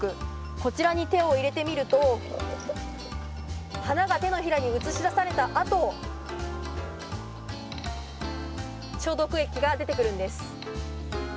こちらに手を入れてみると花が手の平に映し出されたあと、消毒液が出てくるんです。